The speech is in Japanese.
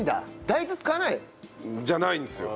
大豆使わない？じゃないんですよ。